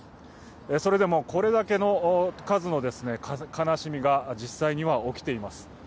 それでも、これだけの数の悲しみが実際には起きています。